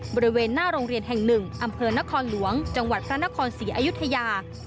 บริเวณหน้าโรงเรียนแห่งหนึ่งอำเภอนครหลวงจังหวัดพระนครศรีอยุธยา